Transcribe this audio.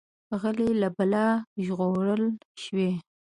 غلی، له بلا ژغورل شوی.